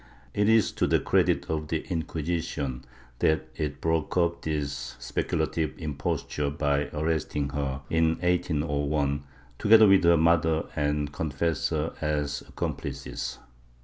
It is to the credit of the Inquisition that it broke up this speculative imposture by arresting her, in 1801, together with her mother and confessor as accomplices.